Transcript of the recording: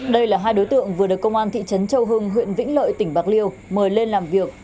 đây là hai đối tượng vừa được công an thị trấn châu hưng huyện vĩnh lợi tỉnh bạc liêu mời lên làm việc